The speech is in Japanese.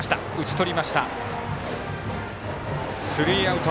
スリーアウト。